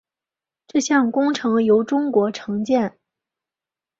这项工程由中国承建。